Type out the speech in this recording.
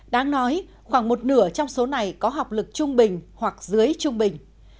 đáng nói khoảng một nửa trong số này có học lực trung bình hoặc dưới trung bình